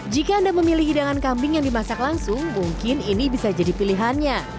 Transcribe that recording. jika anda memilih hidangan kambing yang dimasak langsung mungkin ini bisa jadi pilihannya